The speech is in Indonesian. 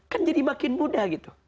kan jadi makin mudah gitu